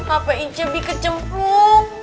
apa aja bi kecemplung